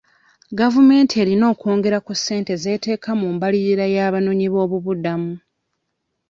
Gavumenti erina okwongera ku ssente z'eteeka ku mbaririra y'abanoonyiboobubudamu.